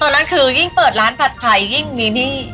นั่นคือยิ่งเปิดร้านผัดไทยยิ่งมีหนี้